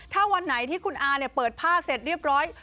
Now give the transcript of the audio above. ถ้าวันไหนที่คุณอาเปิดผ้าเสร็จเรียบร้อย